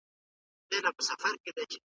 موږ باید د درواغو مخه ونیسو.